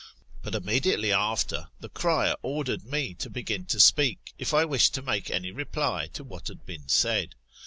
But immediately after, the cryer ordered me to begin to speak, if I wished to make any reply to what had been said.